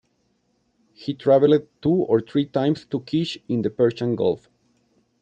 He travelled two or three times to Kish in the Persian Gulf.